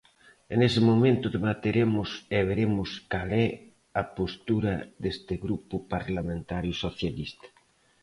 E nese momento debateremos e veremos cal é a postura deste Grupo Parlamentario Socialista.